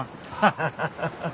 ハハハハ。